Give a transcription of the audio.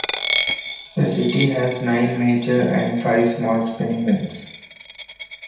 The city has nine major and five small spinning mills.